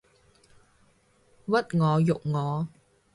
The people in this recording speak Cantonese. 屈我辱我